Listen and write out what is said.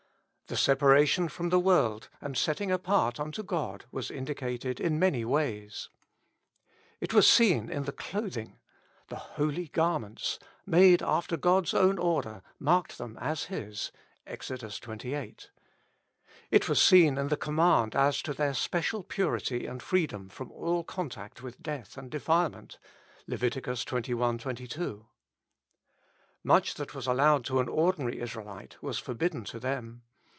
The separation from the world and setting apart unto God was indicated in many ways. It was seen in the clothing: the holy garments, made after God's own order, marked them as His (Ex. xxviii.). It was seen in the command as to their special purity and freedom from all contact from death and defilement (Lev. xxi. 22). Much that was allowed to an ordinary Israelite was forbidden to them.